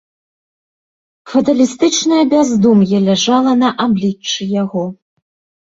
Фаталістычнае бяздум'е ляжала на абліччы яго.